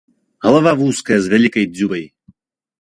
Галава вузкая з вялікай дзюбай.